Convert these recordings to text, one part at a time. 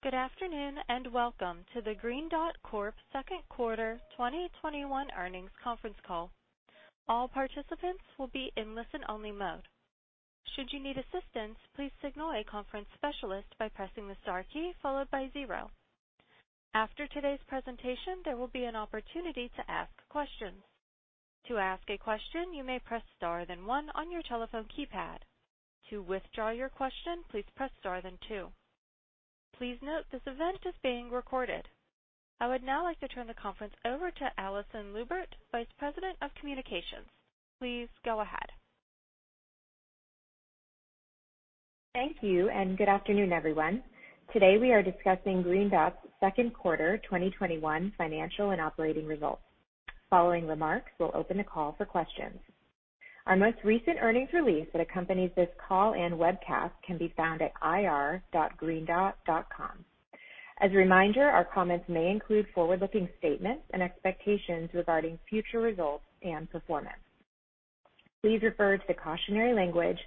Good afternoon, welcome to the Green Dot Corp. second quarter 2021 earnings conference call. All participants will be in listen-only mode. Should you need assistance, please signal a conference specialist by pressing the star key followed by zero. After today's presentation, there will be an opportunity to ask questions. To ask a question, you may press star than one on your telephone keypad. To withdraw your question, please press star than two. Please note this event is being recorded. I would now like to turn the conference over to Alison Lubert, Vice President of Communications, Green Dot Corporation. Please go ahead. Thank you and good afternoon, everyone. Today we are discussing Green Dot's second quarter 2021 financial and operating results. Following remarks, we'll open the call for questions. Our most recent earnings release that accompanies this call and webcast can be found at ir.greendot.com. As a reminder, our comments may include forward-looking statements and expectations regarding future results and performance. Please refer to the cautionary language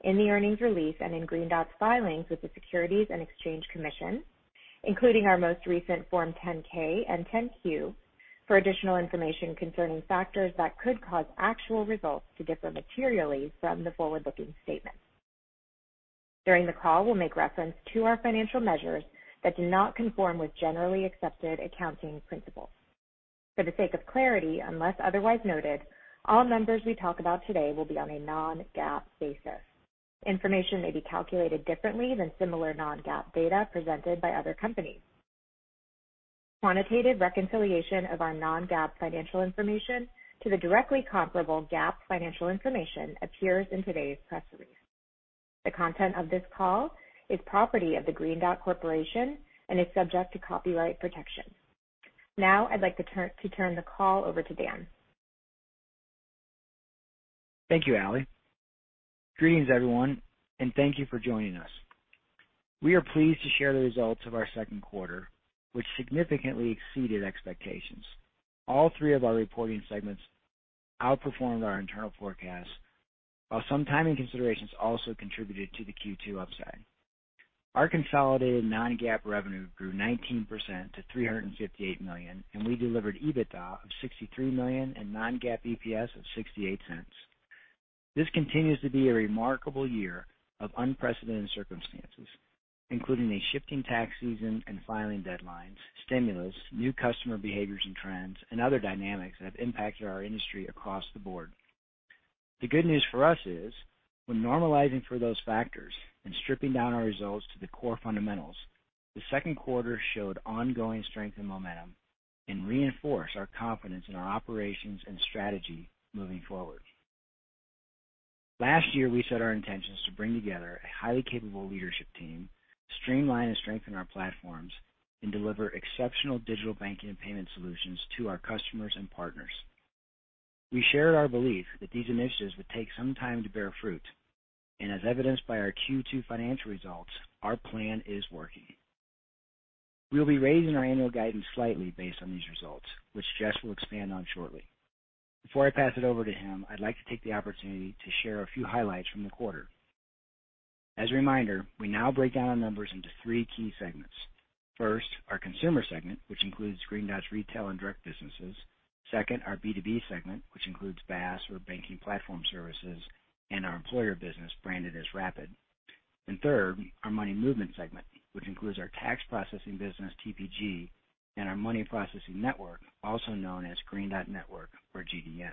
in the earnings release and in Green Dot's filings with the Securities and Exchange Commission, including our most recent Form 10-K and 10-Q, for additional information concerning factors that could cause actual results to differ materially from the forward-looking statements. During the call, we'll make reference to our financial measures that do not conform with Generally Accepted Accounting Principles. For the sake of clarity, unless otherwise noted, all numbers we talk about today will be on a non-GAAP basis. Information may be calculated differently than similar non-GAAP data presented by other companies. Quantitative reconciliation of our non-GAAP financial information to the directly comparable GAAP financial information appears in today's press release. The content of this call is property of the Green Dot Corporation and is subject to copyright protection. I'd like to turn the call over to Dan. Thank you, Alison. Greetings, everyone, and thank you for joining us. We are pleased to share the results of our second quarter, which significantly exceeded expectations. All three of our reporting segments outperformed our internal forecasts, while some timing considerations also contributed to the Q2 upside. Our consolidated non-GAAP revenue grew 19% to $358 million, and we delivered EBITDA of $63 million and non-GAAP EPS of $0.68. This continues to be a remarkable year of unprecedented circumstances, including a shifting tax season and filing deadlines, stimulus, new customer behaviors and trends, and other dynamics that have impacted our industry across the board. The good news for us is, when normalizing for those factors and stripping down our results to the core fundamentals, the second quarter showed ongoing strength and momentum and reinforced our confidence in our operations and strategy moving forward. Last year, we set our intentions to bring together a highly capable leadership team, streamline and strengthen our platforms, and deliver exceptional digital banking and payment solutions to our customers and partners. We shared our belief that these initiatives would take some time to bear fruit. As evidenced by our Q2 financial results, our plan is working. We'll be raising our annual guidance slightly based on these results, which Jess will expand on shortly. Before I pass it over to him, I'd like to take the opportunity to share a few highlights from the quarter. As a reminder, we now break down our numbers into three key segments. First, our consumer segment, which includes Green Dot's retail and direct businesses. Second, our B2B segment, which includes BaaS or banking platform services and our employer business branded as rapid!. Third, our money movement segment, which includes our tax processing business, TPG, and our money processing network, also known as Green Dot Network or GDN.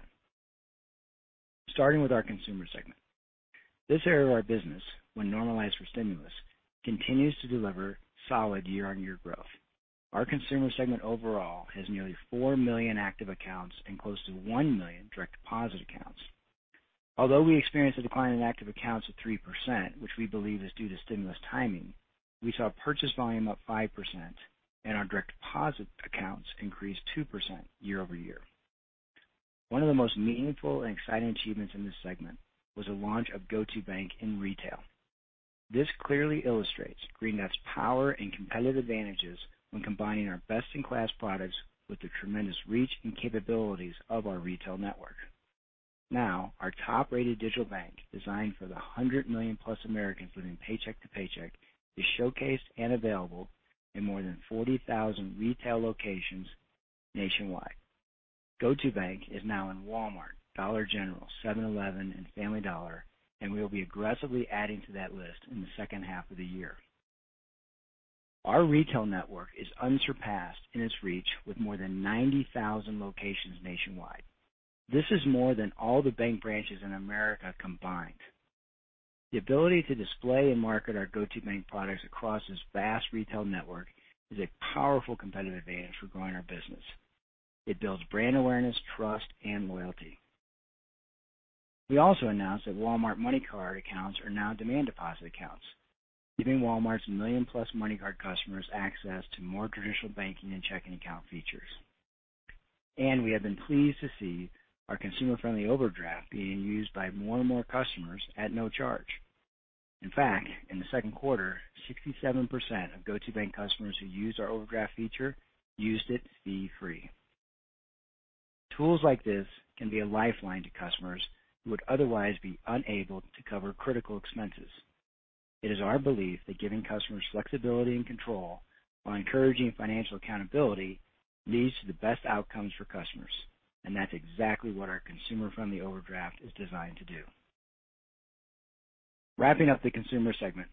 Starting with our consumer segment. This area of our business, when normalized for stimulus, continues to deliver solid year-over-year growth. Our consumer segment overall has nearly 4 million active accounts and close to 1 million direct deposit accounts. Although we experienced a decline in active accounts of 3%, which we believe is due to stimulus timing, we saw purchase volume up 5%, and our direct deposit accounts increased 2% year-over-year. One of the most meaningful and exciting achievements in this segment was the launch of GO2bank in retail. This clearly illustrates Green Dot's power and competitive advantages when combining our best-in-class products with the tremendous reach and capabilities of our retail network. Now, our top-rated digital bank, designed for the 100 million-plus Americans living paycheck to paycheck, is showcased and available in more than 40,000 retail locations nationwide. GO2bank is now in Walmart, Dollar General, 7-Eleven, and Family Dollar, and we will be aggressively adding to that list in the second half of the year. Our retail network is unsurpassed in its reach with more than 90,000 locations nationwide. This is more than all the bank branches in America combined. The ability to display and market our GO2bank products across this vast retail network is a powerful competitive advantage for growing our business. It builds brand awareness, trust, and loyalty. We also announced that Walmart MoneyCard accounts are now demand deposit accounts, giving Walmart's million-plus MoneyCard customers access to more traditional banking and checking account features. We have been pleased to see our consumer-friendly overdraft being used by more and more customers at no charge. In fact, in the second quarter, 67% of GO2bank customers who used our overdraft feature used it fee-free. Tools like this can be a lifeline to customers who would otherwise be unable to cover critical expenses. It is our belief that giving customers flexibility and control while encouraging financial accountability leads to the best outcomes for customers, and that's exactly what our consumer-friendly overdraft is designed to do. Wrapping up the consumer segment,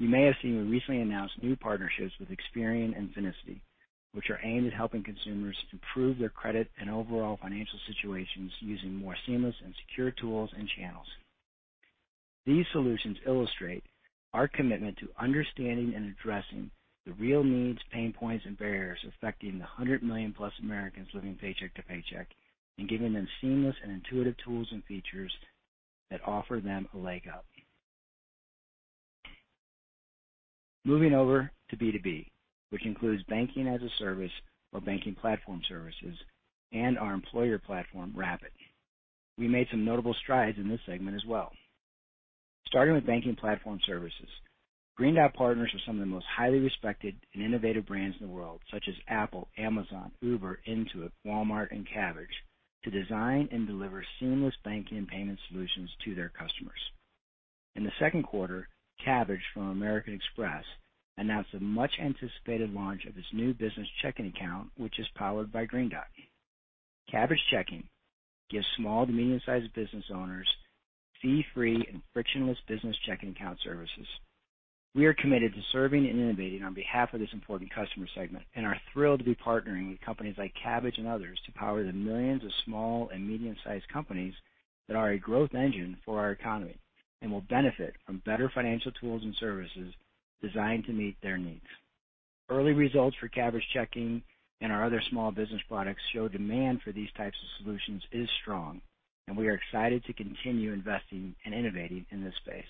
you may have seen we recently announced new partnerships with Experian and Finicity, which are aimed at helping consumers improve their credit and overall financial situations using more seamless and secure tools and channels. These solutions illustrate our commitment to understanding and addressing the real needs, pain points, and barriers affecting the 100 million-plus Americans living paycheck to paycheck and giving them seamless and intuitive tools and features that offer them a leg up. Moving over to B2B, which includes banking-as-a-service or banking platform services and our employer platform, rapid!. We made some notable strides in this segment as well. Starting with banking platform services, Green Dot partners with some of the most highly respected and innovative brands in the world, such as Apple, Amazon, Uber, Intuit, Walmart, and Kabbage, to design and deliver seamless banking and payment solutions to their customers. In the second quarter, Kabbage from American Express announced the much-anticipated launch of its new business checking account, which is powered by Green Dot. Kabbage Checking gives small- to medium-sized business owners fee-free and frictionless business checking account services. We are committed to serving and innovating on behalf of this important customer segment and are thrilled to be partnering with companies like Kabbage and others to power the millions of small and medium-sized companies that are a growth engine for our economy and will benefit from better financial tools and services designed to meet their needs. Early results for Kabbage Checking and our other small business products show demand for these types of solutions is strong, and we are excited to continue investing and innovating in this space.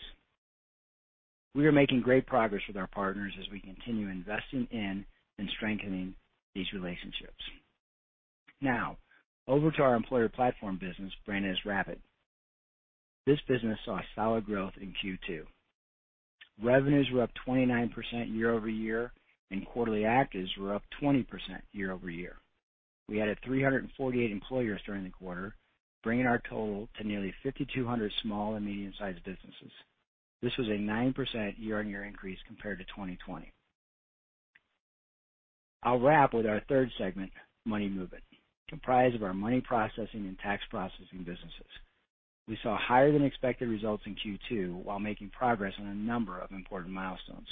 We are making great progress with our partners as we continue investing in and strengthening these relationships. Over to our employer platform business, branded as rapid!. This business saw solid growth in Q2. Revenues were up 29% year-over-year, and quarterly actives were up 20% year-over-year. We added 348 employers during the quarter, bringing our total to nearly 5,200 small and medium-sized businesses. This was a 9% year-on-year increase compared to 2020. I'll wrap with our third segment, Money Movement, comprised of our Money Processing and Tax Processing businesses. We saw higher-than-expected results in Q2 while making progress on a number of important milestones.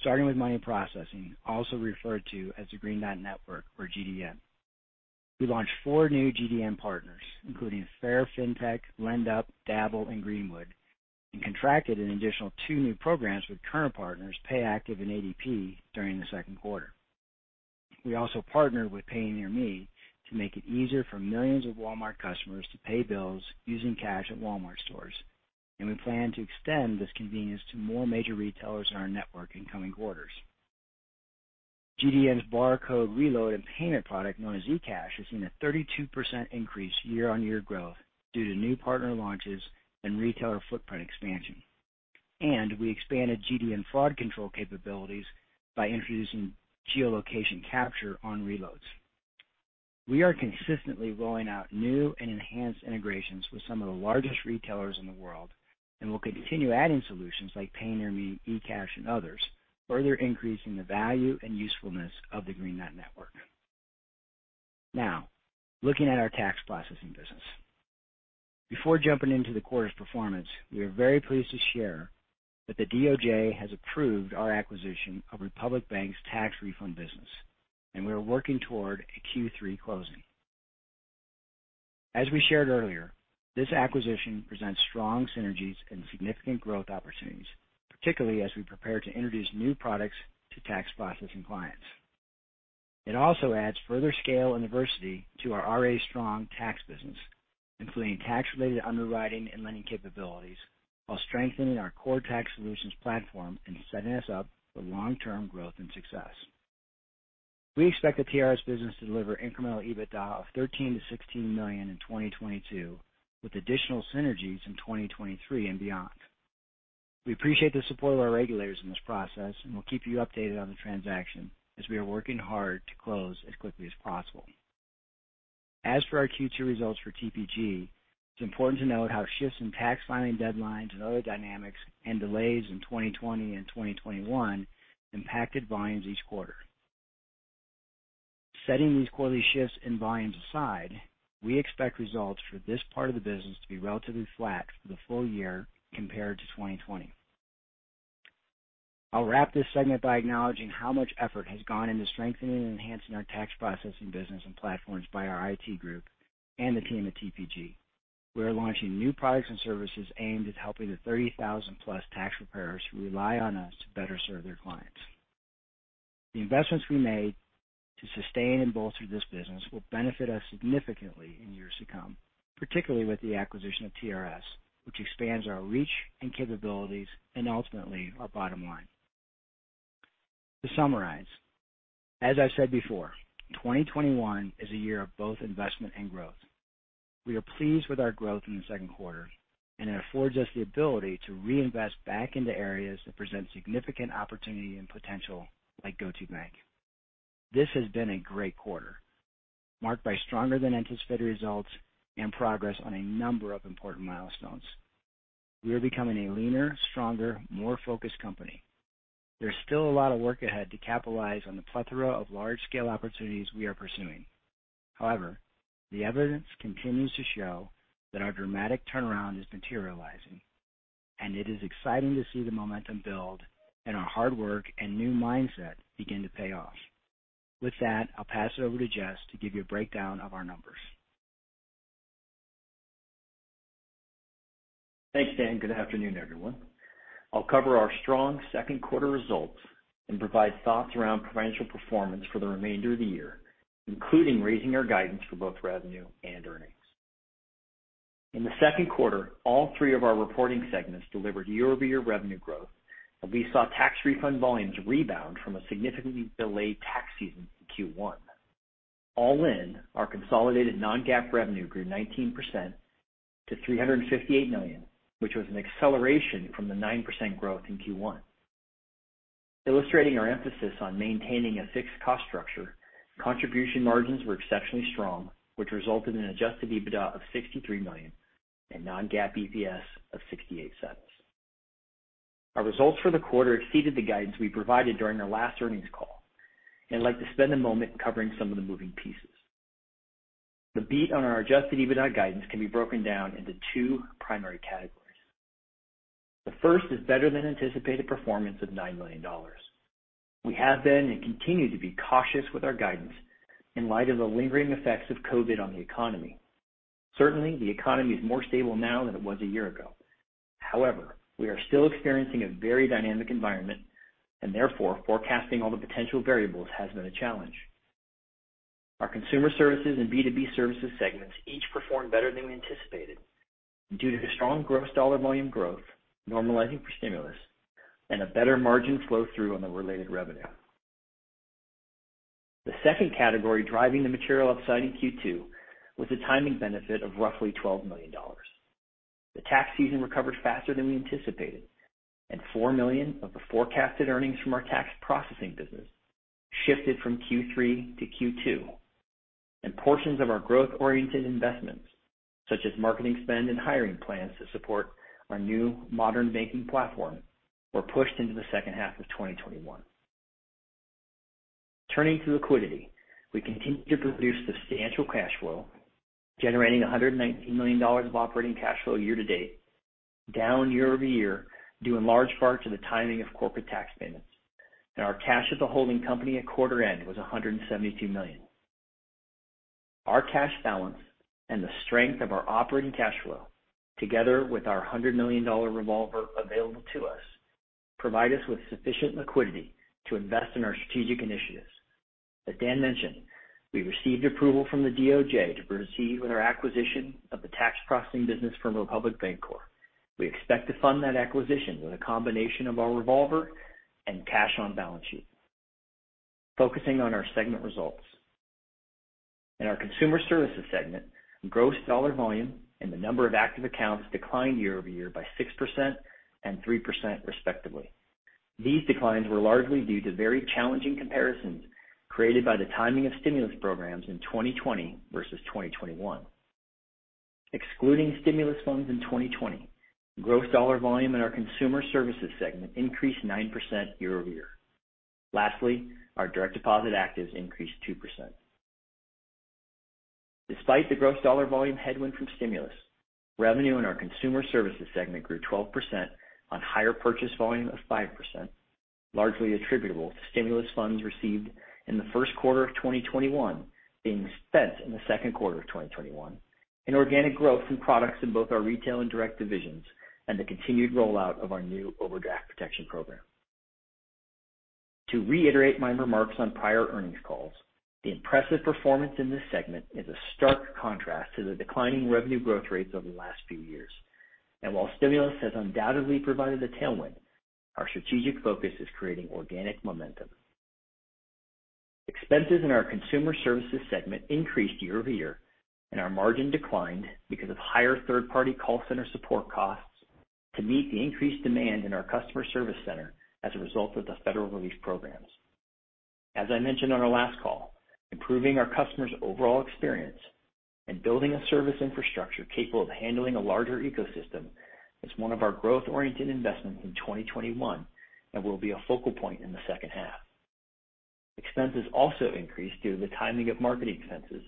Starting with Money Processing, also referred to as the Green Dot Network or GDN. We launched four new GDN partners, including Fair, LendUp, Dave, and Greenwood, and contracted an additional two new programs with current partners Payactiv and ADP during the second quarter. We also partnered with PayNearMe to make it easier for millions of Walmart customers to pay bills using cash at Walmart stores, and we plan to extend this convenience to more major retailers in our network in coming quarters. GDN's barcode reload and payment product, known as eCash, has seen a 32% increase year-on-year growth due to new partner launches and retailer footprint expansion. We expanded GDN fraud control capabilities by introducing geolocation capture on reloads. We are consistently rolling out new and enhanced integrations with some of the largest retailers in the world and will continue adding solutions like PayNearMe, eCash, and others, further increasing the value and usefulness of the Green Dot Network. Looking at our tax processing business. Before jumping into the quarter's performance, we are very pleased to share that the DOJ has approved our acquisition of Republic Bank's tax refund business, and we are working toward a Q3 closing. As we shared earlier, this acquisition presents strong synergies and significant growth opportunities, particularly as we prepare to introduce new products to tax processing clients. It also adds further scale and diversity to our already strong tax business, including tax-related underwriting and lending capabilities, while strengthening our core tax solutions platform and setting us up for long-term growth and success. We expect the TRS business to deliver incremental EBITDA of $13 million-$16 million in 2022, with additional synergies in 2023 and beyond. We appreciate the support of our regulators in this process and will keep you updated on the transaction as we are working hard to close as quickly as possible. As for our Q2 results for TPG, it's important to note how shifts in tax filing deadlines and other dynamics and delays in 2020 and 2021 impacted volumes each quarter. Setting these quarterly shifts in volumes aside, we expect results for this part of the business to be relatively flat for the full year compared to 2020. I'll wrap this segment by acknowledging how much effort has gone into strengthening and enhancing our tax processing business and platforms by our IT group and the team at TPG. We are launching new products and services aimed at helping the 30,000-plus tax preparers who rely on us to better serve their clients. The investments we made to sustain and bolster this business will benefit us significantly in years to come, particularly with the acquisition of TRS, which expands our reach and capabilities and ultimately our bottom line. To summarize, as I've said before, 2021 is a year of both investment and growth. We are pleased with our growth in the second quarter, and it affords us the ability to reinvest back into areas that present significant opportunity and potential, like GO2bank. This has been a great quarter, marked by stronger than anticipated results and progress on a number of important milestones. We are becoming a leaner, stronger, more focused company. There's still a lot of work ahead to capitalize on the plethora of large-scale opportunities we are pursuing. The evidence continues to show that our dramatic turnaround is materializing, and it is exciting to see the momentum build and our hard work and new mindset begin to pay off. With that, I'll pass it over to Jess to give you a breakdown of our numbers. Thanks, Dan. Good afternoon, everyone. I'll cover our strong second quarter results and provide thoughts around financial performance for the remainder of the year, including raising our guidance for both revenue and earnings. In the second quarter, all three of our reporting segments delivered year-over-year revenue growth, and we saw tax refund volumes rebound from a significantly delayed tax season in Q1. All in, our consolidated non-GAAP revenue grew 19% to $358 million, which was an acceleration from the 9% growth in Q1. Illustrating our emphasis on maintaining a fixed cost structure, contribution margins were exceptionally strong, which resulted in an adjusted EBITDA of $63 million and non-GAAP EPS of $0.68. Our results for the quarter exceeded the guidance we provided during our last earnings call. I'd like to spend a moment covering some of the moving pieces. The beat on our adjusted EBITDA guidance can be broken down into two primary categories. The first is better than anticipated performance of $9 million. We have been and continue to be cautious with our guidance in light of the lingering effects of COVID on the economy. Certainly, the economy is more stable now than it was a year ago. However, we are still experiencing a very dynamic environment, and therefore, forecasting all the potential variables has been a challenge. Our consumer services and B2B services segments each performed better than we anticipated due to the strong gross dollar volume growth normalizing for stimulus and a better margin flow through on the related revenue. The second category driving the material upside in Q2 was the timing benefit of roughly $12 million. The tax season recovered faster than we anticipated. Four million of the forecasted earnings from our tax processing business shifted from Q3 to Q2, and portions of our growth-oriented investments, such as marketing spend and hiring plans to support our new modern banking platform, were pushed into the second half of 2021. Turning to liquidity, we continue to produce substantial cash flow, generating $119 million of operating cash flow year to date, down year-over-year, due in large part to the timing of corporate tax payments. Our cash as a holding company at quarter end was $172 million. Our cash balance and the strength of our operating cash flow, together with our $100 million revolver available to us, provide us with sufficient liquidity to invest in our strategic initiatives. As Dan mentioned, we received approval from the DOJ to proceed with our acquisition of the tax processing business from Republic Bancorp, Inc. We expect to fund that acquisition with a combination of our revolver and cash on balance sheet. Focusing on our segment results. In our consumer services segment, gross dollar volume and the number of active accounts declined year-over-year by 6% and 3%, respectively. These declines were largely due to very challenging comparisons created by the timing of stimulus programs in 2020 versus 2021. Excluding stimulus funds in 2020, gross dollar volume in our consumer services segment increased 9% year-over-year. Lastly, our direct deposit actives increased 2%. Despite the gross dollar volume headwind from stimulus, revenue in our consumer services segment grew 12% on higher purchase volume of 5%, largely attributable to stimulus funds received in the first quarter of 2021 being spent in the second quarter of 2021, and organic growth from products in both our retail and direct divisions and the continued rollout of our new overdraft protection program. To reiterate my remarks on prior earnings calls, the impressive performance in this segment is a stark contrast to the declining revenue growth rates over the last few years. While stimulus has undoubtedly provided a tailwind, our strategic focus is creating organic momentum. Expenses in our consumer services segment increased year-over-year, and our margin declined because of higher third-party call center support costs to meet the increased demand in our customer service center as a result of the federal relief programs. As I mentioned on our last call, improving our customer's overall experience and building a service infrastructure capable of handling a larger ecosystem is one of our growth-oriented investments in 2021 and will be a focal point in the second half. Expenses also increased due to the timing of marketing expenses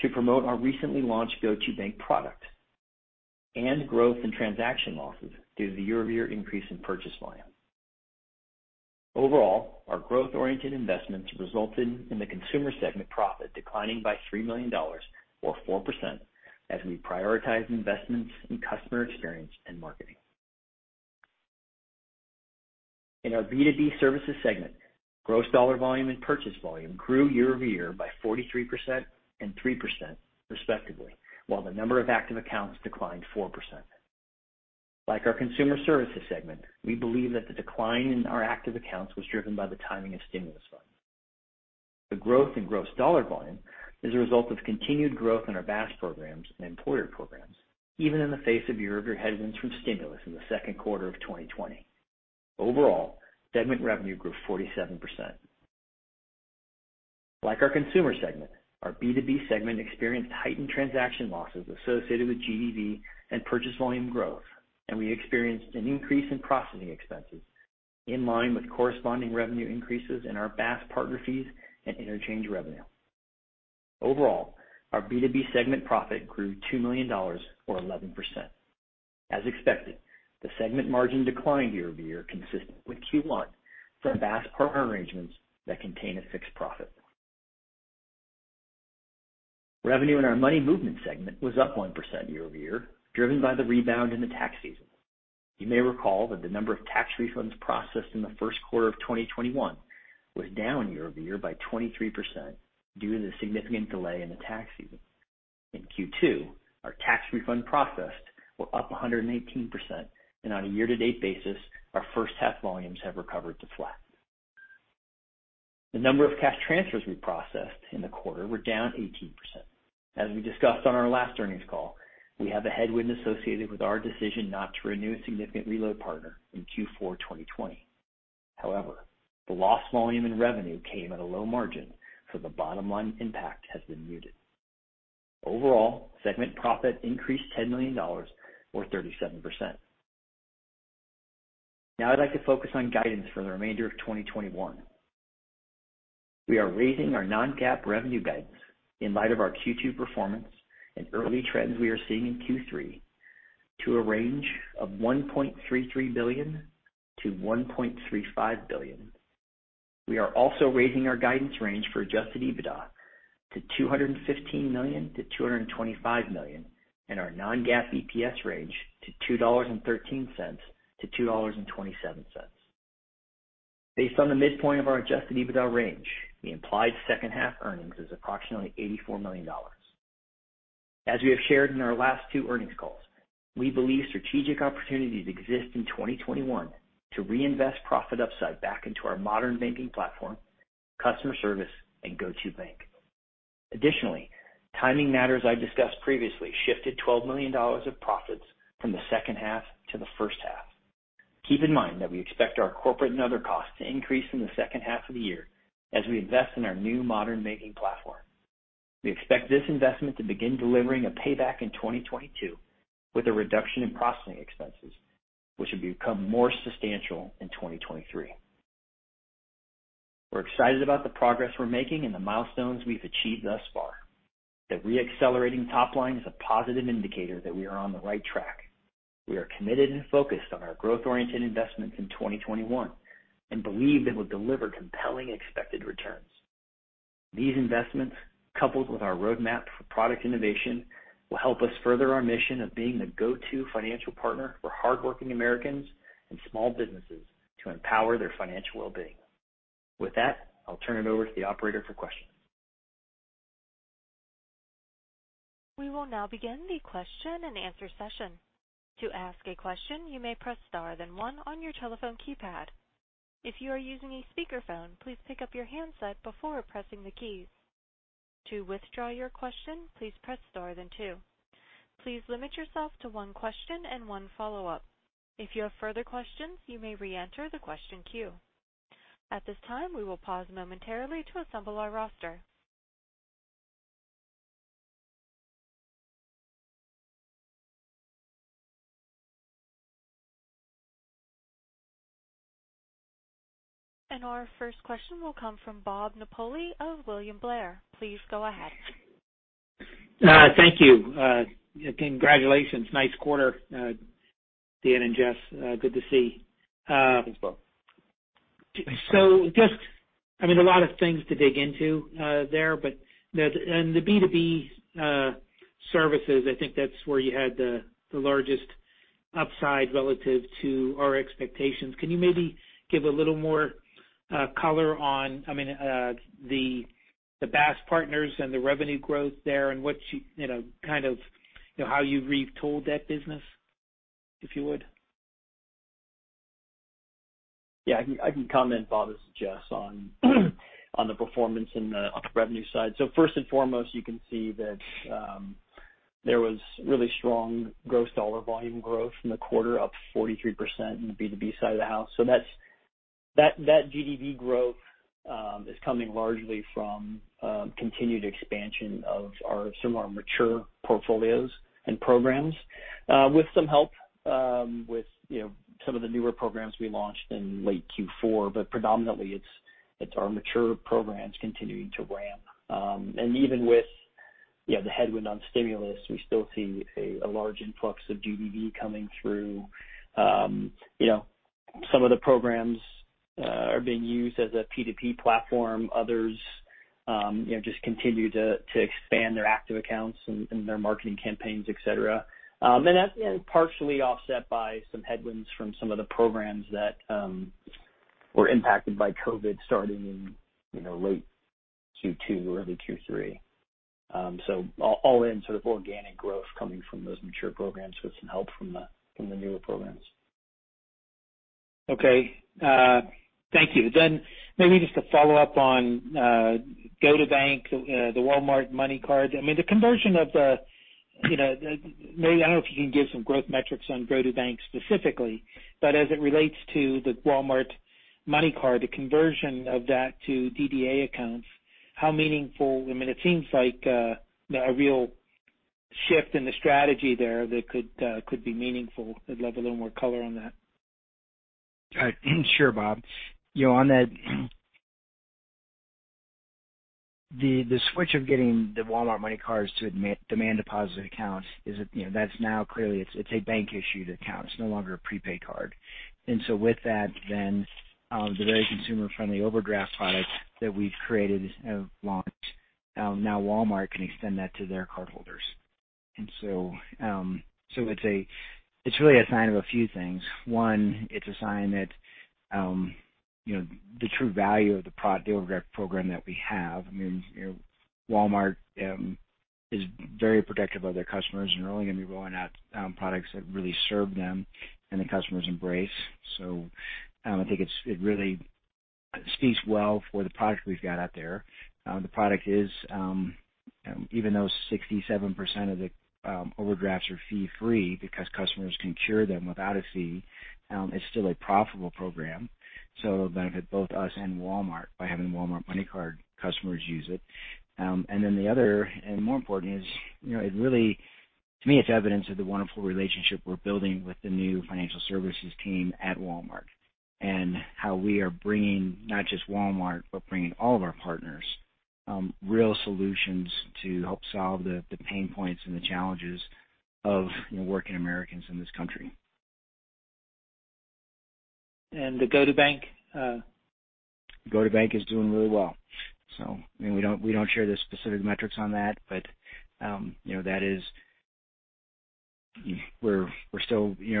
to promote our recently launched GO2bank product and growth in transaction losses due to the year-over-year increase in purchase volume. Overall, our growth-oriented investments resulted in the consumer segment profit declining by $3 million, or 4%, as we prioritize investments in customer experience and marketing. In our B2B services segment, gross dollar volume and purchase volume grew year-over-year by 43% and 3%, respectively, while the number of active accounts declined 4%. Like our consumer services segment, we believe that the decline in our active accounts was driven by the timing of stimulus funds. The growth in gross dollar volume is a result of continued growth in our BaaS programs and employer programs, even in the face of year-over-year headwinds from stimulus in the second quarter of 2020. Overall, segment revenue grew 47%. Like our consumer segment, our B2B segment experienced heightened transaction losses associated with GDV and purchase volume growth, and we experienced an increase in processing expenses in line with corresponding revenue increases in our BaaS partner fees and interchange revenue. Overall, our B2B segment profit grew $2 million or 11%. As expected, the segment margin declined year-over-year, consistent with Q1 from BaaS partner arrangements that contain a fixed profit. Revenue in our money movement segment was up 1% year-over-year, driven by the rebound in the tax season. You may recall that the number of tax refunds processed in the first quarter of 2021 was down year-over-year by 23% due to the significant delay in the tax season. In Q2, our tax refund processed were up 118%. On a year-to-date basis, our first-half volumes have recovered to flat. The number of cash transfers we processed in the quarter were down 18%. As we discussed on our last earnings call, we have a headwind associated with our decision not to renew a significant reload partner in Q4 2020. However, the lost volume in revenue came at a low margin, so the bottom-line impact has been muted. Overall, segment profit increased $10 million or 37%. Now I'd like to focus on guidance for the remainder of 2021. We are raising our non-GAAP revenue guidance in light of our Q2 performance and early trends we are seeing in Q3 to a range of $1.33 billion-$1.35 billion. We are also raising our guidance range for adjusted EBITDA to $215 million-$225 million and our non-GAAP EPS range to $2.13-$2.27. Based on the midpoint of our adjusted EBITDA range, the implied second half earnings is approximately $84 million. As we have shared in our last two earnings calls, we believe strategic opportunities exist in 2021 to reinvest profit upside back into our modern banking platform, customer service, and GO2bank. Additionally, timing matters I discussed previously shifted $12 million of profits from the second half to the first half. Keep in mind that we expect our corporate and other costs to increase in the second half of the year as we invest in our new modern banking platform. We expect this investment to begin delivering a payback in 2022 with a reduction in processing expenses, which will become more substantial in 2023. We're excited about the progress we're making and the milestones we've achieved thus far. The re-accelerating top line is a positive indicator that we are on the right track. We are committed and focused on our growth-oriented investments in 2021 and believe they will deliver compelling expected returns. These investments, coupled with our roadmap for product innovation, will help us further our mission of being the go-to financial partner for hardworking Americans and small businesses to empower their financial well-being. With that, I'll turn it over to the operator for questions. We will now begin the question and answer session. To ask a question, you may press star, then one on your telephone keypad. If you are using a speakerphone, please pick up your handset before pressing the keys. To withdraw your question, please press star then two. Please limit yourself to one question and one follow-up. If you have further questions, you may re-enter the question queue. At this time, we will pause momentarily to assemble our roster. Our first question will come from Bob Napoli of William Blair. Please go ahead. Thank you. Congratulations. Nice quarter, Dan and Jess. Good to see. Thanks, Bob. Just a lot of things to dig into there, but in the B2B services, I think that's where you had the largest upside relative to our expectations. Can you maybe give a little more color on the BaaS partners and the revenue growth there and how you retooled that business, if you would? I can comment, Bob, and Jess is on the performance and on the revenue side. First and foremost, you can see that there was really strong gross dollar volume growth in the quarter, up 43% in the B2B side of the house. That GDV growth is coming largely from continued expansion of some of our mature portfolios and programs with some help with some of the newer programs we launched in late Q4. Predominantly it's our mature programs continuing to ramp. Even with the headwind on stimulus, we still see a large influx of GDV coming through. Some of the programs are being used as a P2P platform. Others just continue to expand their active accounts and their marketing campaigns, et cetera. That's partially offset by some headwinds from some of the programs that were impacted by COVID starting in late Q2, early Q3. All in sort of organic growth coming from those mature programs with some help from the newer programs. Okay. Thank you. Maybe just to follow up on GO2bank, the Walmart MoneyCard. I don't know if you can give some growth metrics on GO2bank specifically, but as it relates to the Walmart MoneyCard, the conversion of that to DDA accounts, how meaningful? It seems like a real shift in the strategy there that could be meaningful. I'd love a little more color on that. Sure, Bob. On that, the switch of getting the Walmart MoneyCard to demand deposit accounts is now clearly it's a bank-issued account. It's no longer a prepaid card. With that, the very consumer-friendly overdraft product that we've created and launched, now Walmart can extend that to their cardholders. It's really a sign of a few things. One, it's a sign that the true value of the overdraft program that we have, Walmart is very protective of their customers and are only going to be rolling out products that really serve them and the customers embrace. I think it really speaks well for the product we've got out there. The product is even though 67% of the overdrafts are fee-free because customers can cure them without a fee, it's still a profitable program. It'll benefit both us and Walmart by having Walmart MoneyCard customers use it. The other and more important is, to me, it's evidence of the wonderful relationship we're building with the new financial services team at Walmart and how we are bringing not just Walmart, but bringing all of our partners real solutions to help solve the pain points and the challenges of working Americans in this country. The GO2bank? GO2bank is doing really well. We don't share the specific metrics on that.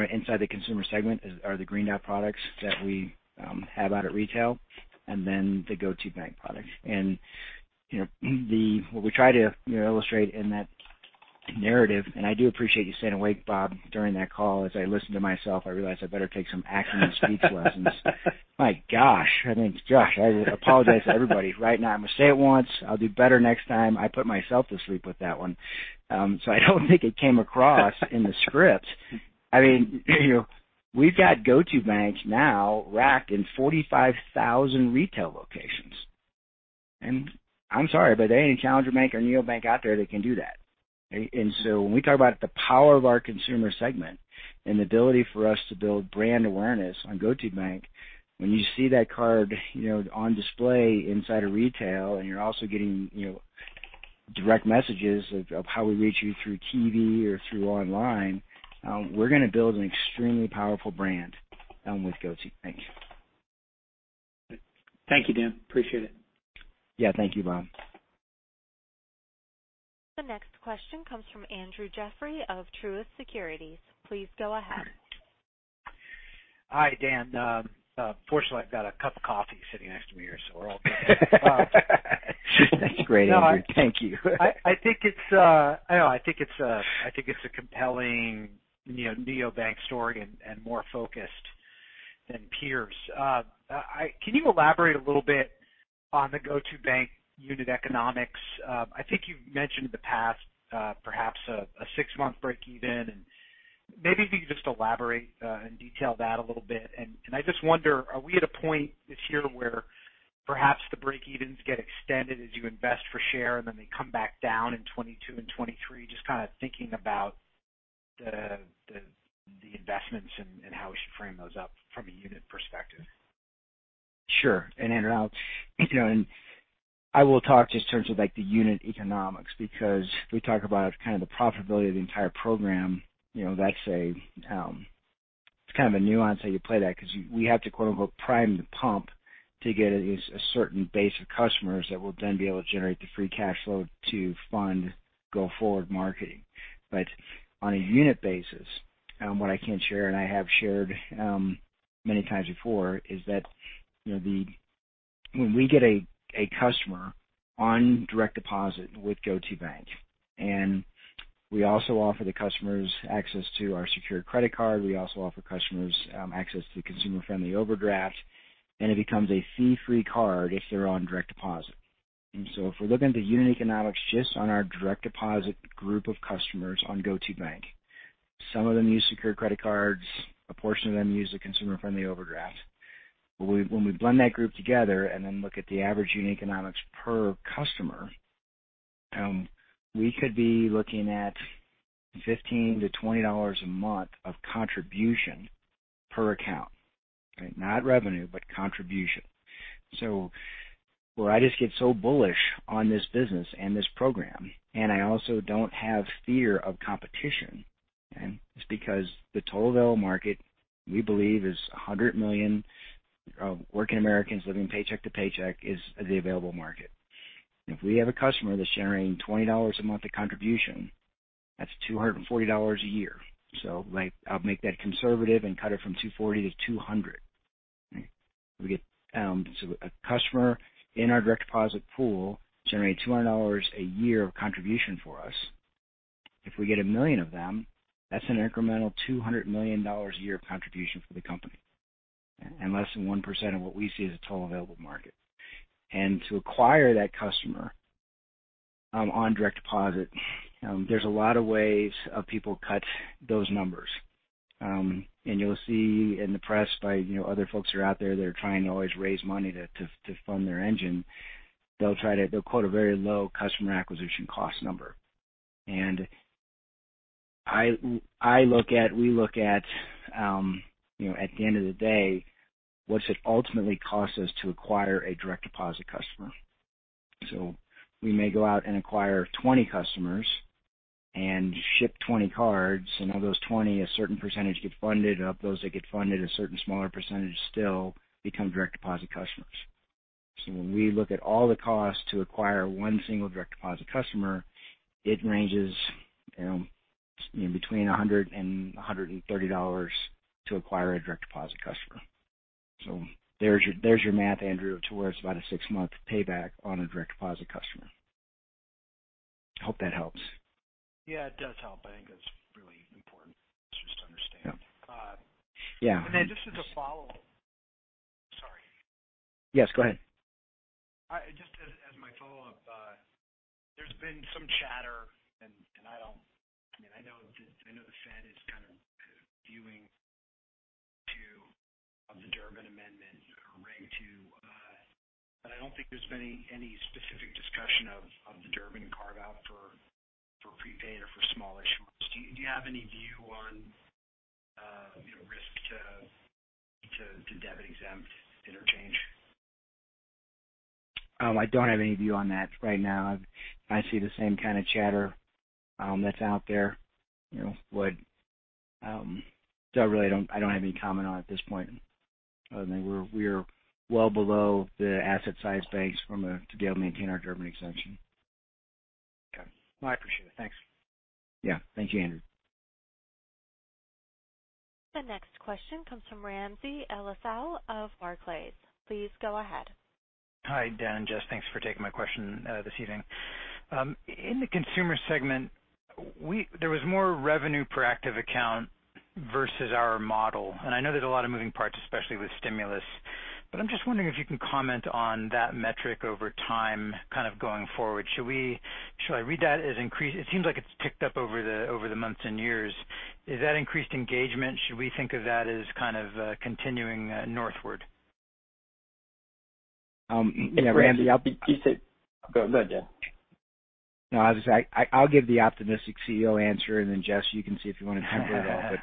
Inside the consumer segment are the Green Dot products that we have out at retail and then the GO2bank products. What we try to illustrate in that narrative, and I do appreciate you staying awake, Bob, during that call. As I listen to myself, I realize I better take some acting and speech lessons. My gosh. I apologize to everybody. Right now, I'm going to say it once. I'll do better next time. I put myself to sleep with that one. I don't think it came across in the script. We've got GO2bank now racked in 45,000 retail locations, I'm sorry, but there ain't any challenger bank or neobank out there that can do that. When we talk about the power of our consumer segment and the ability for us to build brand awareness on GO2bank, when you see that card on display inside of retail, and you're also getting direct messages of how we reach you through TV or through online, we're going to build an extremely powerful brand with GO2bank. Thank you, Dan. Appreciate it. Yeah. Thank you, Bob. The next question comes from Andrew Jeffrey of Truist Securities. Please go ahead. Hi, Dan. Fortunately, I've got a cup of coffee sitting next to me here, so we're all good. That's great, Andrew. Thank you. I think it's a compelling neobank story and more focused than peers. Can you elaborate a little bit on the GO2bank unit economics? I think you've mentioned in the past perhaps a 6-month break even, and maybe if you could just elaborate and detail that a little bit. And I just wonder, are we at a point this year where perhaps the break evens get extended as you invest for share, and then they come back down in 2022 and 2023? Just kind of thinking about the investments and how we should frame those up from a unit perspective. Sure. Andrew, I will talk just in terms of the unit economics, because if we talk about kind of the profitability of the entire program, it's kind of a nuance how you play that because we have to quote unquote, "prime the pump" to get a certain base of customers that will then be able to generate the free cash flow to fund go-forward marketing. On a unit basis, what I can share, and I have shared many times before, is that when we get a customer on direct deposit with GO2bank, and we also offer the customers access to our secured credit card, we also offer customers access to consumer-friendly overdraft, and it becomes a fee-free card if they're on direct deposit. If we're looking at the unit economics just on our direct deposit group of customers on GO2bank, some of them use secured credit cards, a portion of them use the consumer-friendly overdraft. When we blend that group together and then look at the average unit economics per customer, we could be looking at $15-$20 a month of contribution per account. Not revenue, but contribution. Where I just get so bullish on this business and this program, and I also don't have fear of competition, it's because the total available market, we believe, is 100 million working Americans living paycheck to paycheck is the available market. If we have a customer that's generating $20 a month of contribution, that's $240 a year. I'll make that conservative and cut it from $240 to $200. A customer in our direct deposit pool generates $200 a year of contribution for us. If we get 1 million of them, that's an incremental $200 million a year contribution for the company, and less than 1% of what we see as a total available market. To acquire that customer on direct deposit, there's a lot of ways of people cut those numbers. You'll see in the press by other folks who are out there that are trying to always raise money to fund their engine. They'll quote a very low customer acquisition cost number. We look at the end of the day, what's it ultimately cost us to acquire a direct deposit customer. We may go out and acquire 20 customers and ship 20 cards. Of those 20, a certain percentage get funded. Of those that get funded, a certain smaller percentage still become direct deposit customers. When we look at all the costs to acquire 1 single direct deposit customer, it ranges between $100 and $130 to acquire a direct deposit customer. There's your math, Andrew, to where it's about a six-month payback on a direct deposit customer. Hope that helps. Yeah, it does help. I think that's really important just to understand. Yeah. Just as a follow-up. Sorry. Yes, go ahead. Just as my follow-up, there's been some chatter, and I know the Fed is kind of Reg II of the Durbin Amendment, but I don't think there's been any specific discussion of the Durbin carve-out for prepaid or for small issuers. Do you have any view on risk to debit-exempt interchange? I don't have any view on that right now. I see the same kind of chatter that's out there. I really don't have any comment on it at this point, other than we're well below the asset size base to be able to maintain our Durbin exemption. Okay. Well, I appreciate it. Thanks. Yeah. Thank you, Andrew. The next question comes from Ramsey El-Assal of Barclays. Please go ahead. Hi, Dan and Jess. Thanks for taking my question this evening. In the consumer segment, there was more revenue per active account versus our model. I know there's a lot of moving parts, especially with stimulus. I'm just wondering if you can comment on that metric over time, kind of going forward. Should I read that as? It seems like it's ticked up over the months and years. Is that increased engagement? Should we think of that as kind of continuing northward? Yeah. Ramsey, Go ahead, Dan. I was going to say, I'll give the optimistic CEO answer, and then Jess, you can see if you want to temper it at all.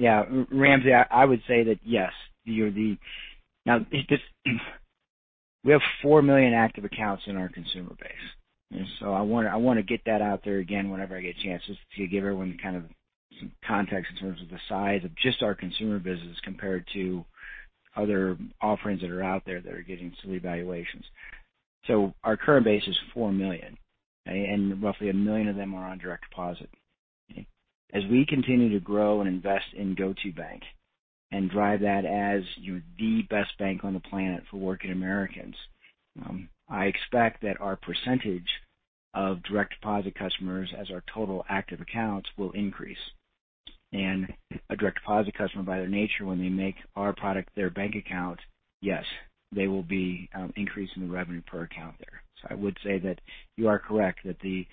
Yeah, Ramsey, I would say that yes. We have 4 million active accounts in our consumer base. I want to get that out there again whenever I get chances to give everyone kind of some context in terms of the size of just our consumer business compared to other offerings that are out there that are getting some evaluations. Our current base is 4 million, and roughly 1 million of them are on direct deposit. As we continue to grow and invest in GO2bank and drive that as the best bank on the planet for working Americans, I expect that our percentage of direct deposit customers as our total active accounts will increase. A direct deposit customer, by their nature, when they make our product their bank account, yes, they will be increasing the revenue per account there. I would say that you are correct, that the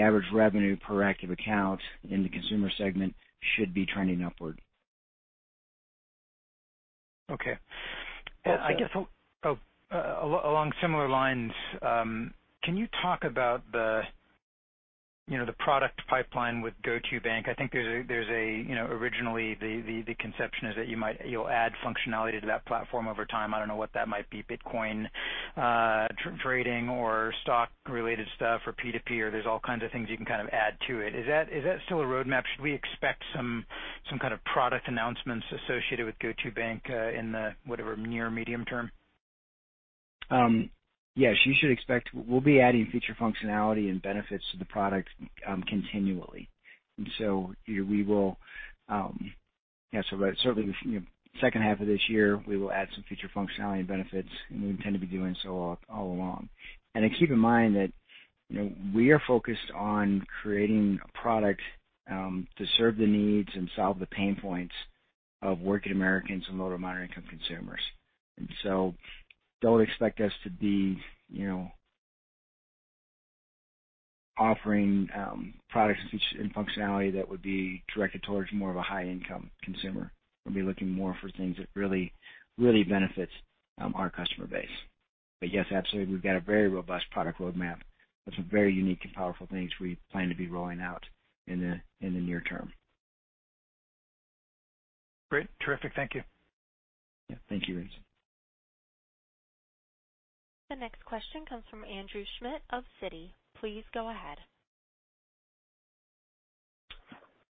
average revenue per active account in the consumer segment should be trending upward. Okay. Awesome. I guess along similar lines, can you talk about the product pipeline with GO2bank? I think originally the conception is that you'll add functionality to that platform over time. I don't know what that might be, Bitcoin trading or stock-related stuff or P2P, or there's all kinds of things you can add to it. Is that still a roadmap? Should we expect some kind of product announcements associated with GO2bank in the whatever near medium term? You should expect we'll be adding feature functionality and benefits to the product continually. Certainly the second half of this year, we will add some feature functionality and benefits, we intend to be doing so all along. Keep in mind that we are focused on creating a product to serve the needs and solve the pain points of working Americans and low- to moderate-income consumers. Do not expect us to be offering products and functionality that would be directed towards more of a high-income consumer. We'll be looking more for things that really benefits our customer base. Yes, absolutely, we've got a very robust product roadmap with some very unique and powerful things we plan to be rolling out in the near term. Great. Terrific. Thank you. Yeah. Thank you, Ramsey. The next question comes from Andrew Schmidt of Citi. Please go ahead.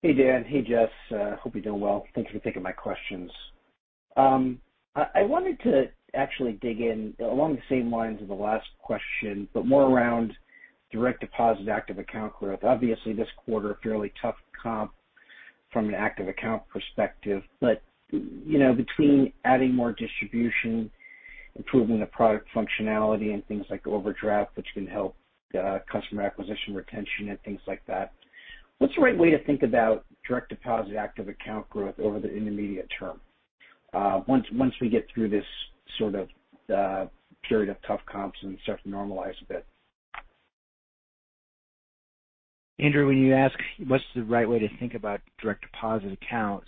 Hey, Dan. Hey, Jess. Hope you're doing well. Thanks for taking my questions. I wanted to actually dig in along the same lines of the last question, but more around direct deposit active account growth. Obviously, this quarter, a fairly tough comp from an active account perspective. Between adding more distribution, improving the product functionality and things like overdraft, which can help customer acquisition, retention, and things like that, what's the right way to think about direct deposit active account growth over the intermediate term once we get through this period of tough comps and stuff normalize a bit? Andrew, when you ask what's the right way to think about direct deposit accounts?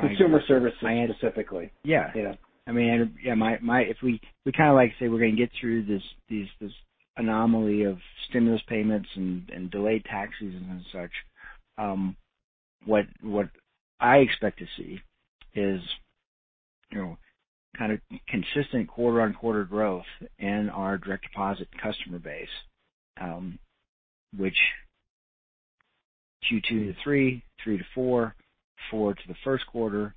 Consumer services specifically. Yeah. If we say we're going to get through this anomaly of stimulus payments and delayed tax seasons and such, what I expect to see is kind of consistent quarter-on-quarter growth in our direct deposit customer base, which Q2 to Q3 to Q4 to the first quarter,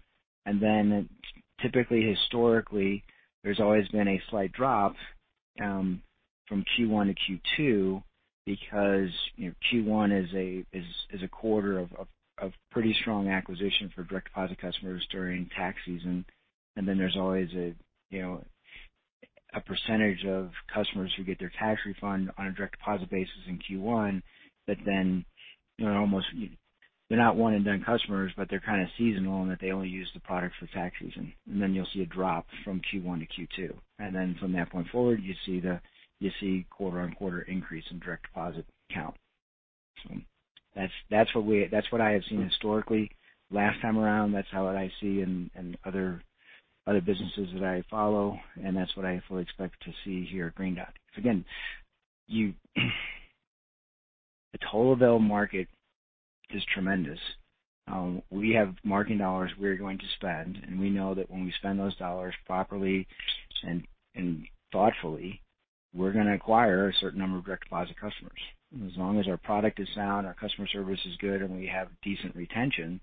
typically, historically, there's always been a slight drop from Q1 to Q2 because Q1 is a quarter of pretty strong acquisition for direct deposit customers during tax season. There's always a percentage of customers who get their tax refund on a direct deposit basis in Q1 that then they're not one-and-done customers, but they're kind of seasonal in that they only use the product for tax season. You'll see a drop from Q1 to Q2. From that point forward, you see quarter-on-quarter increase in direct deposit count. That's what I have seen historically last time around. That's how I see in other businesses that I follow. That's what I fully expect to see here at Green Dot. Because again, the total available market is tremendous. We have marketing dollars we're going to spend, and we know that when we spend those dollars properly and thoughtfully, we're going to acquire a certain number of direct deposit customers. As long as our product is sound, our customer service is good, and we have decent retention,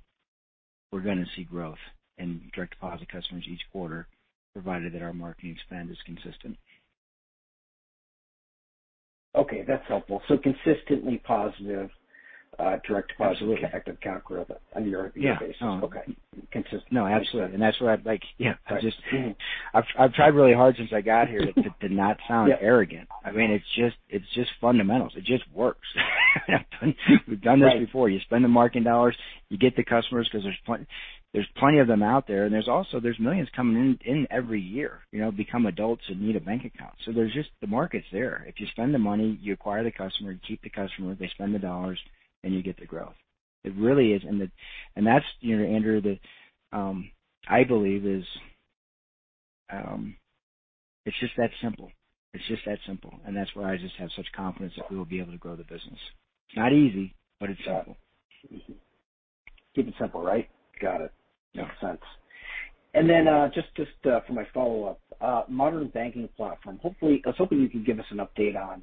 we're going to see growth in direct deposit customers each quarter, provided that our marketing spend is consistent. Okay, that's helpful. consistently positive direct deposit- Absolutely ...active account growth on a year-over-year basis. Yeah. Okay. No, absolutely. That's why I've tried really hard since I got here to not sound arrogant. I mean, it's just fundamentals. It just works. We've done this before. You spend the marketing dollars, you get the customers because there's plenty of them out there, and there's also millions coming in every year, become adults and need a bank account. The market's there. If you spend the money, you acquire the customer, you keep the customer, they spend the dollars, and you get the growth. It really is. That's, Andrew, I believe is just that simple. It's just that simple, and that's why I just have such confidence that we will be able to grow the business. It's not easy, but it's simple. Keep it simple, right? Got it. Makes sense. Just for my follow-up. Modern banking platform. I was hoping you could give us an update on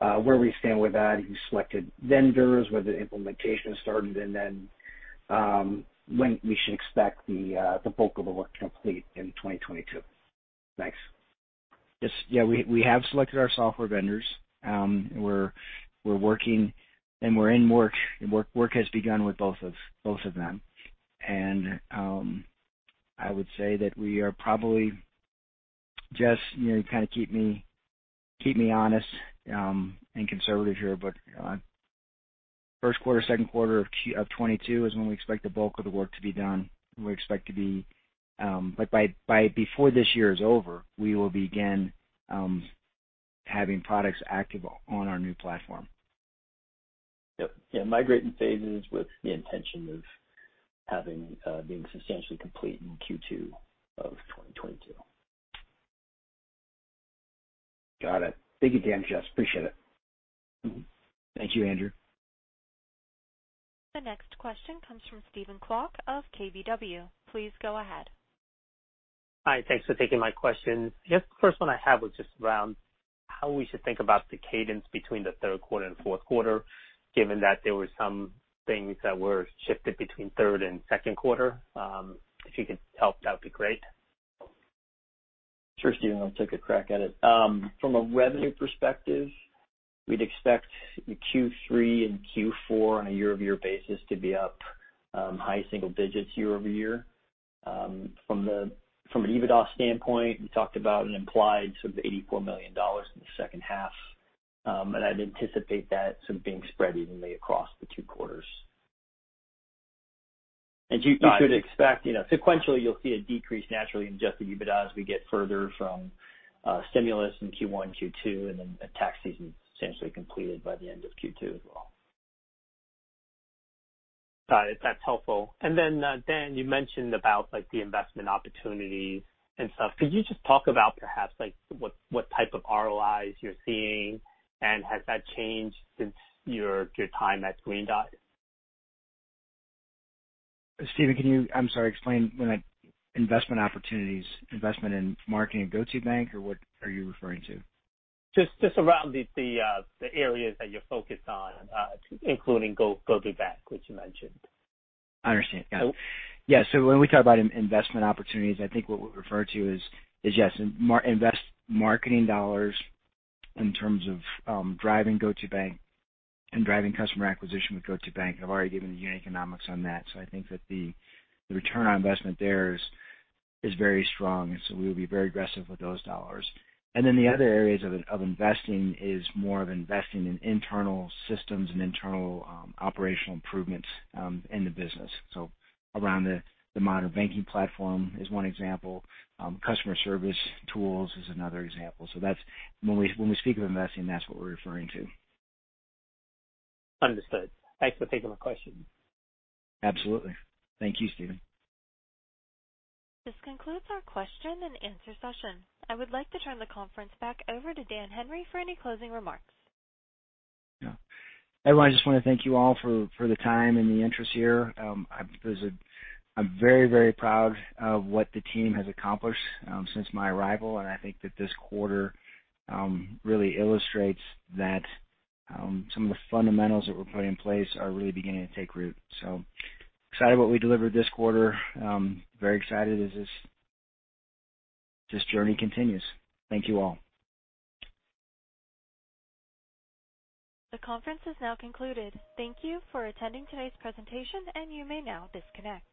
where we stand with that. Have you selected vendors? Whether the implementation has started, and then when we should expect the bulk of the work complete in 2022. Thanks. Yes. We have selected our software vendors. We're working and we're in work. Work has begun with both of them. I would say that we are Jess, you kind of keep me honest and conservative here, first quarter, second quarter of 2022 is when we expect the bulk of the work to be done. Before this year is over, we will begin having products active on our new platform. Yep. Migrating phases with the intention of being substantially complete in Q2 of 2022. Got it. Thank you, Dan, Jess, appreciate it. Thank you, Andrew. The next question comes from Sanjay Sakhrani of KBW. Please go ahead. Hi. Thanks for taking my question. I guess the first one I have was just around how we should think about the cadence between the third quarter and fourth quarter, given that there were some things that were shifted between third and second quarter. If you could help, that would be great. Sure, Sanjay Sakhrani, I'll take a crack at it. From a revenue perspective, we'd expect Q3 and Q4 on a year-over-year basis to be up high single digits year-over-year. From an EBITDA standpoint, we talked about an implied sort of $84 million in the second half, and I'd anticipate that being spread evenly across the two quarters. You should expect sequentially you'll see a decrease naturally in adjusted EBITDA as we get further from stimulus in Q1, Q2, and then tax season essentially completed by the end of Q2 as well. Got it. That's helpful. Dan, you mentioned about the investment opportunities and stuff. Could you just talk about perhaps what type of ROIs you're seeing, and has that changed since your time at Green Dot? Sanjay, can you, I'm sorry, explain when investment opportunities, investment in marketing GO2bank, or what are you referring to? Just around the areas that you're focused on, including GO2bank, which you mentioned. I understand. Got it. Yeah. When we talk about investment opportunities, I think what we refer to is yes, invest marketing dollars in terms of driving GO2bank and driving customer acquisition with GO2bank. I've already given you the economics on that. I think that the return on investment there is very strong, and so we will be very aggressive with those dollars. The other areas of investing is more of investing in internal systems and internal operational improvements in the business. Around the modern banking platform is one example. Customer service tools is another example. When we speak of investing, that's what we're referring to. Understood. Thanks for taking my question. Absolutely. Thank you, Sanjay. This concludes our question and answer session. I would like to turn the conference back over to Dan Henry for any closing remarks. Yeah. Everyone, I just want to thank you all for the time and the interest here. I'm very, very proud of what the team has accomplished since my arrival, and I think that this quarter really illustrates that some of the fundamentals that we're putting in place are really beginning to take root. Excited what we delivered this quarter. Very excited as this journey continues. Thank you all. The conference is now concluded. Thank you for attending today's presentation. You may now disconnect.